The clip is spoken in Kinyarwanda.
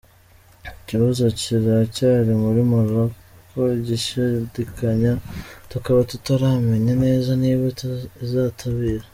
Ikibazo kiracyari kuri Maroc igishidikanya tukaba tutaramenya neza niba izitabira.